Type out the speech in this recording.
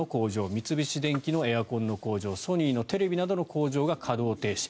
三菱電機のエアコンの工場ソニーのテレビなどの工場が稼働停止。